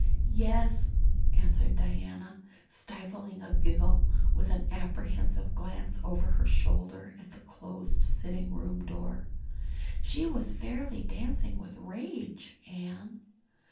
"Yes," answered Diana, stifling a giggle with an apprehensive glance over her shoulder at the closed sitting room door. "She was fairly dancing with rage, Anne.